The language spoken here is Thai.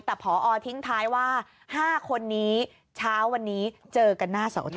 แต่พอทิ้งท้ายว่า๕คนนี้เจอกันหน้าเสาทม